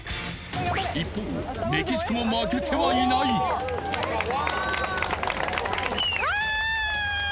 一方メキシコも負けてはいないうわ！